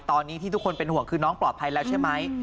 ตอนนี้ที่ทุกคนเป็นห่วงคือน้องปลอดภัยแล้วใช่ไหม